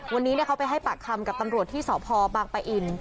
วันนี้เขาไปให้ปากคำกับตำรวจที่สพบางปะอิน